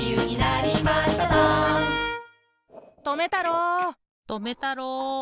とめたろう！とめたろう！